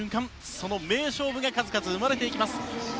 その名勝負が数々、生まれていきます。